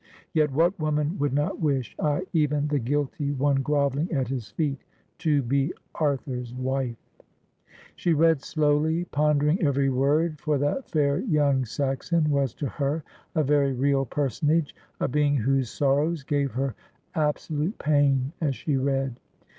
Yet what woman would not wish — ay, even the guilty one grovelling at his feet — to be Arthur's wife ? She read slowly, pondering every word, for that fair young Saxon was to her a very real personage — a being whose sorrows gave her absolute pain as she read.